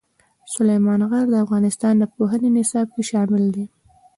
سلیمان غر د افغانستان د پوهنې نصاب کې شامل دي.